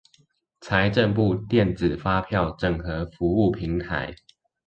財政部電子發票整合服務平台